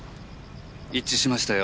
一致しましたよ。